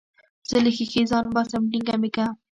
زه له ښيښې ځان باسم ټينګه مې که.